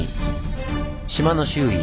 島の周囲